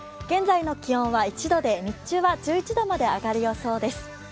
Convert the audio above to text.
現在の気温は１度で日中は１１度まで上がる予想です。